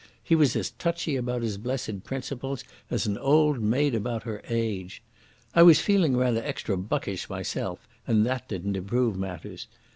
He was as touchy about his blessed principles as an old maid about her age. I was feeling rather extra buckish myself and that didn't improve matters.